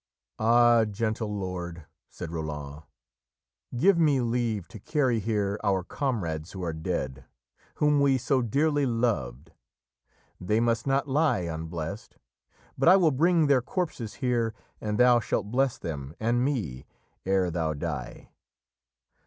"'Ah, gentle lord,' said Roland, 'give me leave To carry here our comrades who are dead, Whom we so dearly loved; they must not lie Unblest; but I will bring their corpses here And thou shalt bless them, and me, ere thou die.'